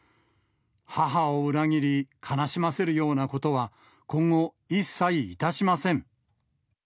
母を裏切り、悲しませるようなことは、今後一切いたしません。